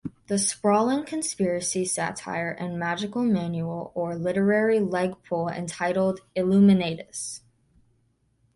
The sprawling conspiracy satire and Magickal manual or literary leg-pull entitled the Illuminatus!